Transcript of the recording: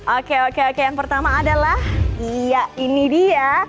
oke oke oke yang pertama adalah iya ini dia